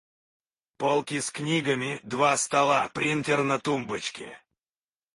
Полки с книгами, два стола, принтер на тумбочке.